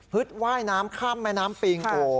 ฮึดไหว้น้ำข้ามแม่น้ำปิง